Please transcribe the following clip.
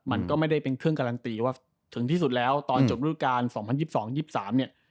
มันก็ไม่ได้เป็นเครื่องการันตีว่าถึงที่สุดแล้วตอนจบรูปการ๒๐๒๒๒๒๓เนี่ย